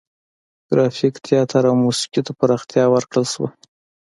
ګرافیک، تیاتر او موسیقي ته پراختیا ورکړل شوه.